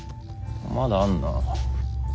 まだあんな。